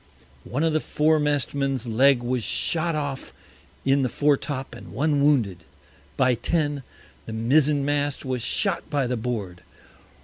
One of the Foremast Men's Leg was shot off in the Fore top, and one wounded. By Ten, the Mizen mast was shot by the Board.